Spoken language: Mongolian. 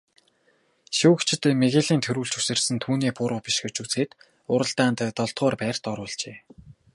Шүүгчид Мигелийн түрүүлж үсэрсэн нь түүний буруу биш гэж үзээд уралдаанд долдугаарт байрт оруулжээ.